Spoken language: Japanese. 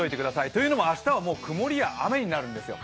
というのも明日は曇りや雨になるんですよ。